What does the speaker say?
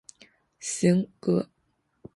行，哥！